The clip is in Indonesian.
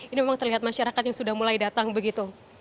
ini memang terlihat masyarakat yang sudah mulai datang begitu